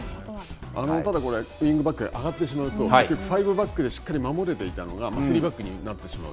ただ、ウイングバックで上がってしまうと、結局、ファイブバックでしっかり守れてしまうのが、スリーバックになってしまう。